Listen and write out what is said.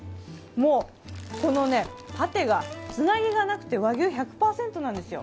もう、このパテが、つなぎがなくて和牛１００％なんですよ。